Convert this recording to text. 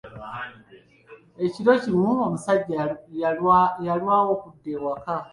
Ekiro kimu, omusajja yalwawo okudda ewaka.